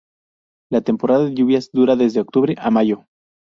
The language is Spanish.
La temporada de lluvias dura desde octubre a mayo.